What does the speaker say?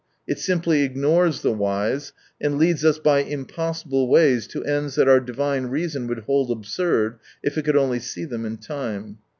It simply ignores the whys, and leads us by impossible ways to ends that our divine reason would hold absurd, if it could only see them in time.